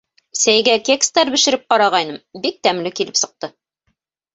Сәйгә кекстар бешереп ҡарағайным, бик тәмле килеп сыҡты.